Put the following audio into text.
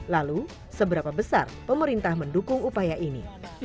lalu seberapa besar pemerintah mendukung upaya ini